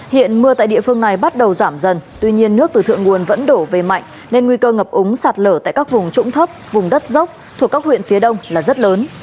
hiện mưa tại địa phương này bắt đầu giảm dần tuy nhiên nước từ thượng nguồn vẫn đổ về mạnh nên nguy cơ ngập úng sạt lở tại các vùng trũng thấp vùng đất dốc thuộc các huyện phía đông là rất lớn